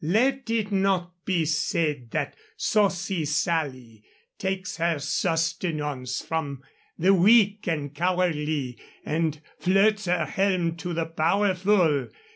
Let it not be said that Saucy Sally takes her sustenance from the weak and cowardly and flirts her helm to the powerful.